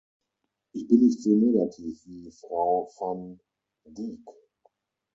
Ich bin nicht so negativ wie Frau Van Dijk.